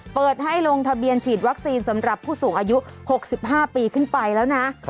เปิดให้ลงทะเบียนฉีดวัคซีนสำหรับผู้สูงอายุ๖๕ปีขึ้นไปแล้วนะ